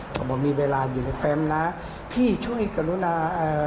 เขาบอกมีเวลาอยู่ในแฟมนะพี่ช่วยกรุณาเอ่อ